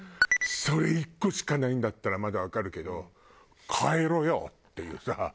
それ１個しかないんだったらまだわかるけど変えろよっていうさ。